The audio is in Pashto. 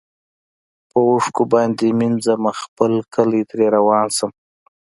په اوښکو باندي مینځمه خپل کلی ترې روان شم